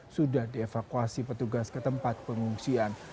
sudah dievakuasi petugas ke tempat pengungsian